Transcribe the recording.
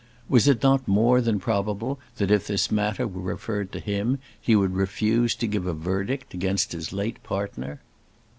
Was it not more than probable that if this matter were referred to him he would refuse to give a verdict against his late partner?